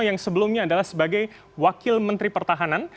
yang sebelumnya adalah sebagai wakil menteri pertahanan